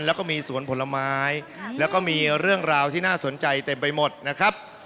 แล้วก็มีสวนผลไม้แล้วก็มีเรื่องราวที่น่าสนใจเต็มไปหมดนะครับ